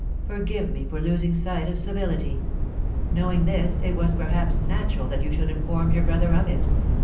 "Forgive me for losing sight of civility. Knowing this, it was perhaps natural that you should inform your brother of it.